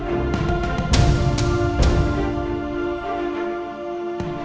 tapi aku pake magnet nih